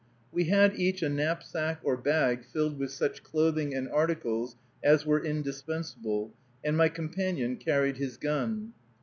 We had each a knapsack or bag filled with such clothing and articles as were indispensable, and my companion carried his gun.